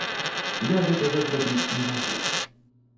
Я гэтага зрабіць не магу.